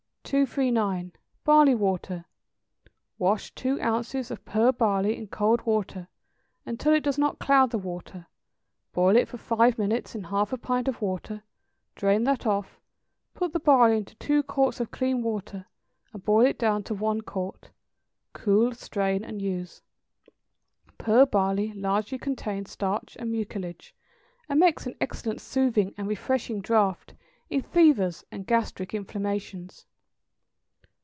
239. =Barley Water.= Wash two ounces of pearl barley in cold water until it does not cloud the water; boil it for five minutes in half a pint of water; drain that off, put the barley into two quarts of clean water, and boil it down to one quart. Cool, strain, and use. Pearl barley largely contains starch and mucilage, and makes an excellent soothing and refreshing draught in fevers and gastric inflammations.